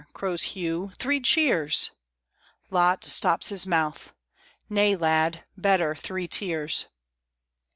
crows Hugh; "three cheers!" Lot stops his mouth: "Nay, lad, better three tears."